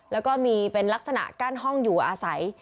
แล้วก็มีเป็นลักษณะกั้นห้องอยู่อาศัย